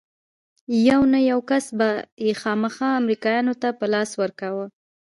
يو نه يو کس به يې خامخا امريکايانو ته په لاس ورکاوه.